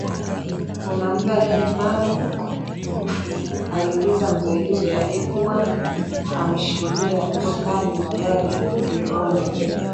Una muda gani pale?" Aliuliza mzee yule aliyekuwa ameshikilia usukani wa gari kiufundi